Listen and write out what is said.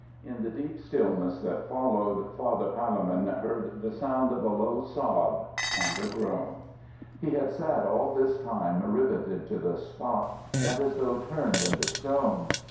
In the deep stillness that followed, Father Palemon heard the sound of a low sob and a groan. He had sat all this time rivetted to the spot, and as though turned into stone.